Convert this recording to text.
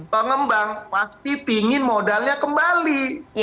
pengembang pasti pingin modalnya kembali